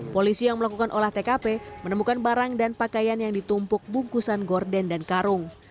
polisi yang melakukan olah tkp menemukan barang dan pakaian yang ditumpuk bungkusan gorden dan karung